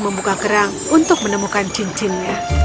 membuka kerang untuk menemukan cincinnya